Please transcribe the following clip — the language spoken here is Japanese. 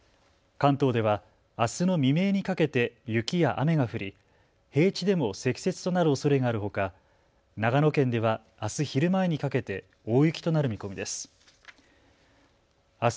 関東ではあすの未明にかけて雪や雨が降り平地でも積雪となるおそれがあるほか長野県ではあす昼前にかけて大雪となる見込みです。